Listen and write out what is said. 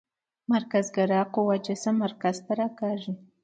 مرکزګرا قوه جسم مرکز ته راکاږي.